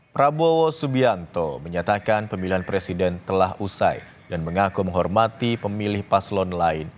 prabowo subianto menyatakan pemilihan presiden telah usai dan mengaku menghormati pemilih paslon lain